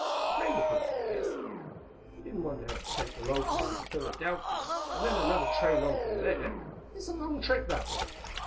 A friend of his, I guess. He didn't want to have to take the local into Philadelphia, and then another train on from there. It's a long trip that way.